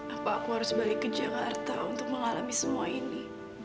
apa aku harus balik ke jakarta untuk mengalami semua ini